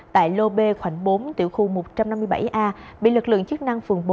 tại lô b khoảng bốn tiểu khu một trăm năm mươi bảy a bị lực lượng chức năng phường bốn